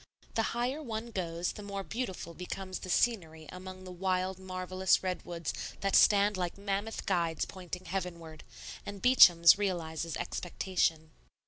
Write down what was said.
The higher one goes the more beautiful becomes the scenery among the wild, marvellous redwoods that stand like mammoth guides pointing heavenward; and Beacham's realizes expectation.